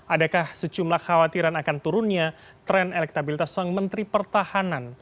adakah secumlah khawatiran akan turunnya tren elektabilitas sang menteri pertahanan